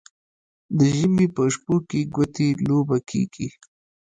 د ژمي په شپو کې ګوتې لوبه کیږي.